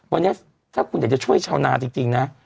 วันนี้ถ้าคุณอยากจะช่วยชาวนาจริงนะ